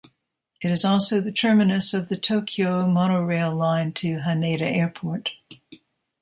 It is also the terminus of the Tokyo Monorail line to Haneda Airport.